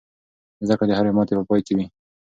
زده کړه د هرې ماتې په پای کې وي.